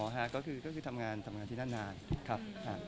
ก็คือก็คือทำงานทำงานที่นั่นนานครับ